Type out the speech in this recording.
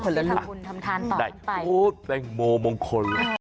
พวกนี้ได้โหแป้งโมงคล